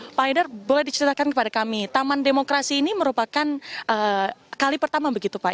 pak haidar boleh diceritakan kepada kami taman demokrasi ini merupakan kali pertama begitu pak